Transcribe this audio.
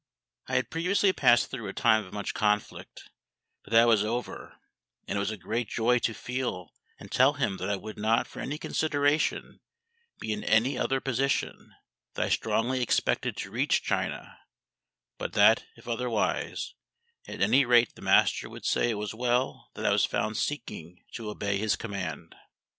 I had previously passed through a time of much conflict, but that was over, and it was a great joy to feel and to tell him that I would not for any consideration be in any other position; that I strongly expected to reach China; but that, if otherwise, at any rate the Master would say it was well that I was found seeking to obey His command.